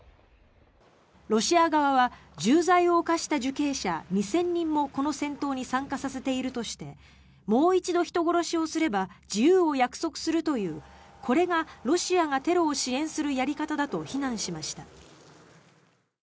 ロシア側は重罪を犯した受刑者２０００人もこの戦闘に参加させているとしてもう一度人殺しをすれば事由を約束するというこれがロシアがテロを支援するやり方だと非難しました。